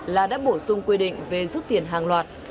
là đã bổ sung quy định về rút tiền hàng loạt